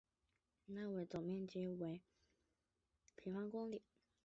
维勒讷沃的总面积为平方公里。